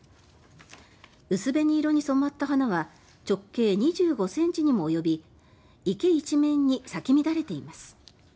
薄紅色に染まった花は直径２５ｃｍにも及び池一面に咲き乱れています。